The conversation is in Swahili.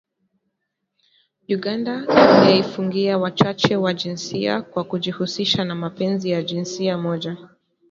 Uganda yaifungia Wachache wa Jinsia kwa kujihusisha na mapenzi ya jinsia moja